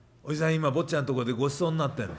今坊ちゃんとこでごちそうになってんの。